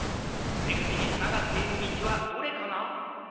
でぐちにつながっているみちはどれかな？